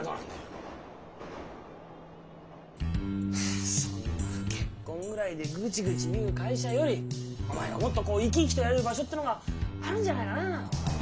あそんな結婚ぐらいでグチグチ言う会社よりお前がもっとこう生き生きとやれる場所ってのがあるんじゃないかなあ。